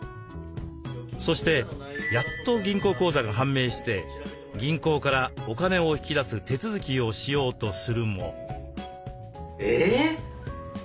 そしてやっと銀行口座が判明して銀行からお金を引き出す手続きをしようとするも。